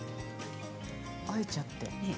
あえちゃって。